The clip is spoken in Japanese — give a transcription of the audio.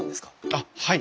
あっはい。